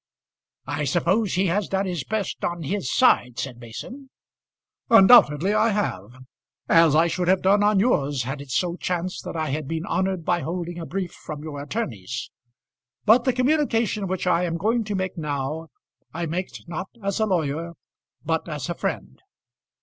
"I suppose he has done his best on his side," said Mason. "Undoubtedly I have, as I should have done on yours, had it so chanced that I had been honoured by holding a brief from your attorneys. But the communication which I am going to make now I make not as a lawyer but as a friend.